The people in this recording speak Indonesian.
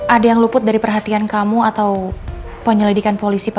apa ada di rumah kamu atau di mana